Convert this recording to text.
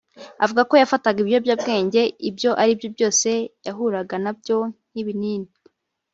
Avuga ko yafatanga ibiyobyabwenge ibyo ari byo byose yahuraga na byo nk’ibinini